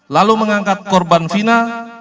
lalu mengangkat korban final